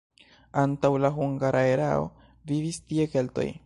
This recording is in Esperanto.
Antaŭ la hungara erao vivis tie keltoj.